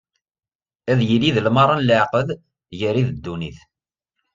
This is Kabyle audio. Ad yili d limaṛa n leɛqed gar-i d ddunit.